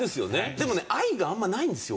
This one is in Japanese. でもね愛があんまないんですよ